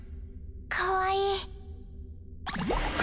かわいい。